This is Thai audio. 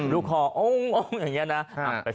ดีพร้อม